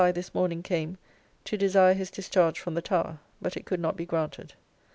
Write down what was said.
] this morning came to desire his discharge from the Tower; but it could not be granted.